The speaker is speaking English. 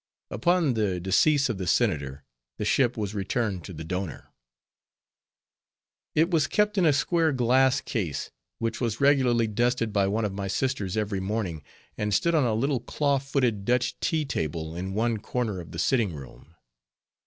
Upon the decease of the Senator, the ship was returned to the donor. It was kept in a square glass case, which was regularly dusted by one of my sisters every morning, and stood on a little claw footed Dutch tea table in one corner of the sitting room.